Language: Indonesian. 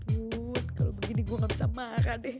aduh kalo begini gue gak bisa marah deh